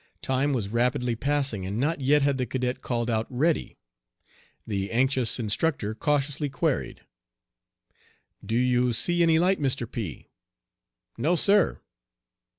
Time was rapidly passing, and not yet had the cadet called out "Ready." The anxious instructor cautiously queried: "Do you see any light, Mr. P ?," "No, sir."